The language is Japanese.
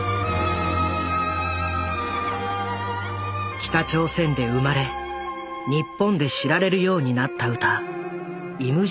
北朝鮮で生まれ日本で知られるようになった歌「イムジン河」。